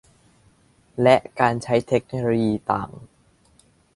และการใช้เทคโนโลยีต่าง